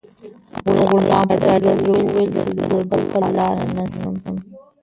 غلام په ډاډه زړه وویل چې زه د بخل لاره نه نیسم.